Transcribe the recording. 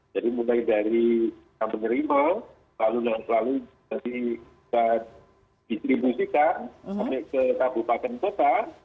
jadi mulai dari kami menerima lalu nanti kita distribusikan ke kabupaten kota